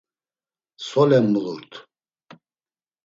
Solen mulurt?